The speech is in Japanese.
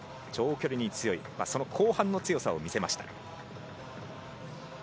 長距離に強い後半の強さを見せました。